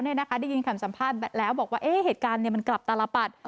ได้ยินคำสัมภาษณ์แล้วบอกว่าเหตุการณ์มันกลับตลปัด